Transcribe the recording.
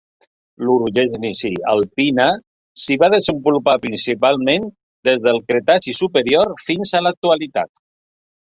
L'orogènesi alpina s'hi va desenvolupar principalment des del Cretaci superior fins a l'actualitat.